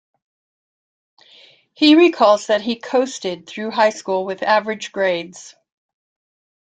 He recalls that he 'coasted' through high school with average grades.